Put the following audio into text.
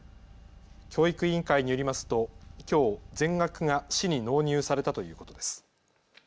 教育委員会によりますときょう全額が市に納入されたということです。